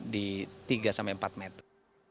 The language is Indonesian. di tiga sampai empat meter